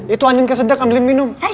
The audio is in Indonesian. itu anjing kesedak ambilin minum